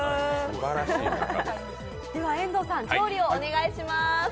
遠藤さん、調理をお願いします。